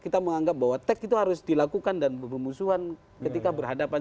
kita menganggap bahwa teks itu harus dilakukan dan pemusuhan ketika berhadapan